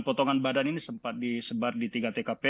potongan badan ini sempat disebar di tiga tkp